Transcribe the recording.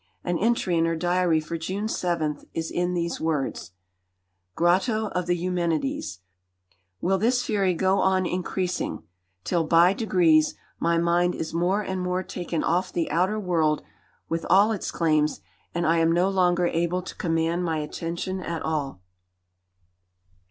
An entry in her diary for June 7 is in these words: "Grotto of the Eumenides. Will this Fury go on increasing till by degrees my mind is more and more taken off the outer world with all its claims, and I am no longer able to command my attention at all?"